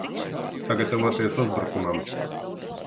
Sagatavoties uzbrukumam!